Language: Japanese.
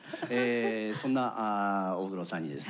そんな大黒さんにですね